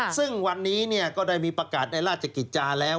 ซึ่งวันนี้เนี้ยก็ได้มีประการในราธิกิจรรย์แล้ว